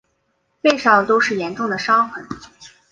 背上都是严重的伤痕